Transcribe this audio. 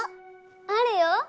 あるよ！